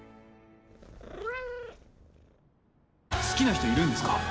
好きな人いるんですか？